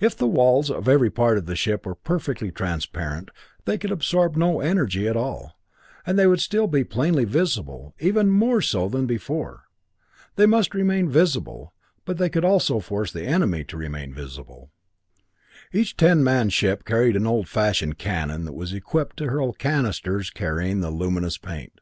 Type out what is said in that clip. If the walls of every part of the ship were perfectly transparent, they could absorb no energy at all, and they would still be plainly visible even more so than before! They must remain visible, but they could also force the enemy to remain visible. Each ten man ship carried an old fashioned cannon that was equipped to hurl cannisters carrying the luminous paint.